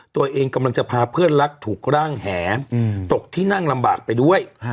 ตัวเองกำลังจะพาเพื่อนรักถูกร่างแหตกที่นั่งลำบากไปด้วย